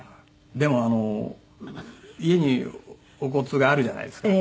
でもあの家にお骨があるじゃないですか。